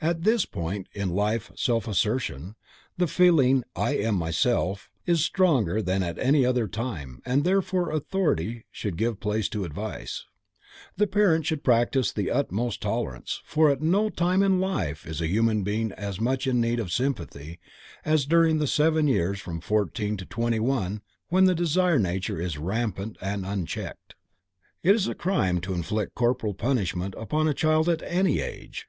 At this point in life self assertion, the feeling "I am myself", is stronger than at any other time and therefore authority should give place to Advice; the parent should practice the utmost tolerance, for at no time in life is a human being as much in need of sympathy as during the seven years from fourteen to twenty one when the desire nature is rampant and unchecked. It is a crime to inflict corporal punishment upon a child at any age.